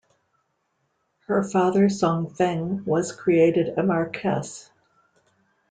Her father Song Feng was created a marquess.